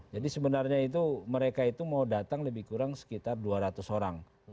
jadi sebenarnya itu mereka itu mau datang lebih kurang sekitar dua ratus orang